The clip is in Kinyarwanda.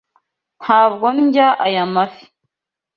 Ntabwo ndya aya mafi.